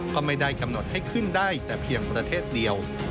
ก็ไม่ได้กำหนดให้ขึ้นได้แต่เพียงประเทศเดียว